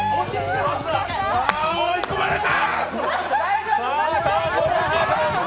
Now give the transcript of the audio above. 追い込まれた！